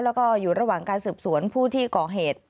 แล้วก็อยู่ระหว่างการสืบสวนผู้ที่ก่อเหตุ